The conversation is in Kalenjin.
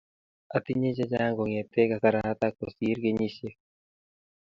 Atinye chechang' kong'ete kasaratak kosir kenyisiek.